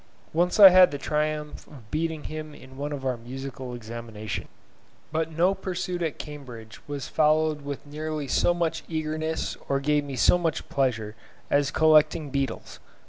Once I had the triumph of beating him in one of our musical examinations. But no pursuit at Cambridge was followed with nearly so much eagerness or gave me so much pleasure as collecting beetles.